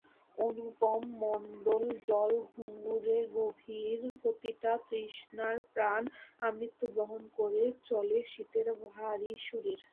অনুপম মণ্ডলজলঘুঙুরগভীর প্রতিটা তৃষ্ণার ঘ্রাণ আমৃত্যু বহন করে চলে শীতের ভারী শরীর।